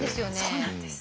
そうなんです。